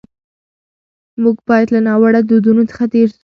موږ باید له ناوړه دودونو څخه تېر سو.